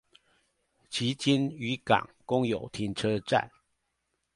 旗津漁港公有停車場